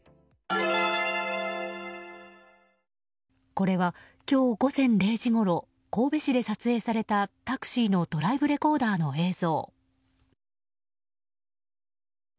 これは、今日午前０時ごろ神戸市で撮影されたタクシーのドライブレコーダーの映像。